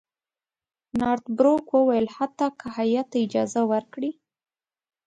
نارت بروک وویل حتی که هیات ته اجازه ورکړي.